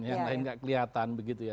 yang lain nggak kelihatan begitu ya